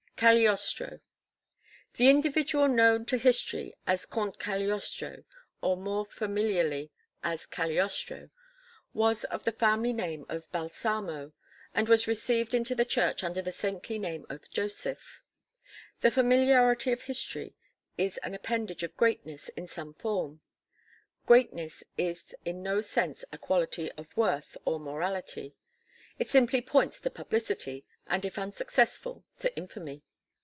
CAGLIOSTRO The individual known to history as Comte Cagliostro, or more familiarly as Cagliostro, was of the family name of Balsamo and was received into the Church under the saintly name of Joseph. The familiarity of history is an appanage of greatness in some form. Greatness is in no sense a quality of worth or morality. It simply points to publicity, and if unsuccessful, to infamy.